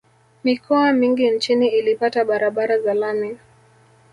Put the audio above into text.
mikoa mingi nchini ilipata barabara za lami